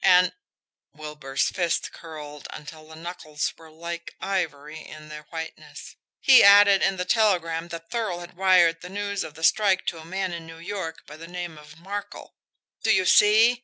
And" Wilbur's fist curled until the knuckles were like ivory in their whiteness "he added in the telegram that Thurl had wired the news of the strike to a man in New York by the name of Markel. Do you see?